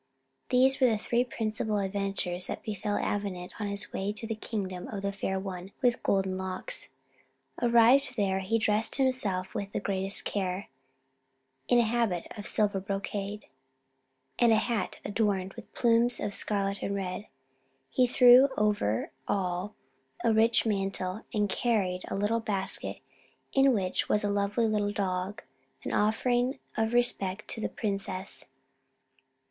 These were the three principal adventures that befell Avenant on his way to the kingdom of the Fair One with Golden Locks. Arrived there, he dressed himself with the greatest care, in a habit of silver brocade, and a hat adorned with plumes of scarlet and white. He threw over all a rich mantle, and carried a little basket, in which was a lovely little dog, an offering of respect to the princess.